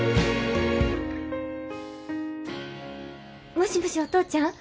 もしもしお父ちゃん。